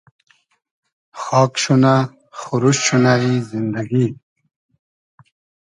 خاگ شونۂ خوروشت شونۂ ای زیندئگی